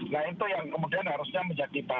nah itu yang kemudian harusnya menjadi